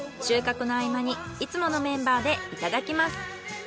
収獲の合間にいつものメンバーでいただきます。